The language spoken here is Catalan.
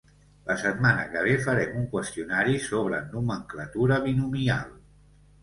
La setmana que ve farem un qüestionari sobre nomenclatura binomial.